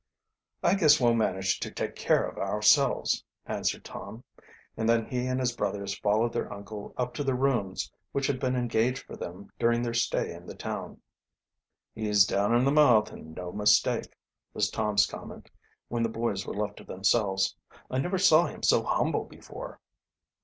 "I guess we'll manage to take care of ourselves," answered Tom, and then he and his brothers followed their uncle up to the rooms which had been engaged for them during their stay in the town. "He's, down in the mouth, and no mistake," was Tom's comment, when the boys were left to themselves. "I never saw him so humble before."